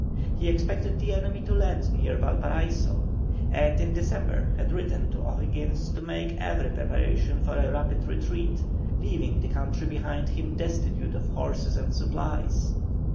He expected the enemy to land near Valparaiso, and in December had written to O'Higgins to make every preparation for a rapid retreat, leaving the country behind him destitute of horses and supplies.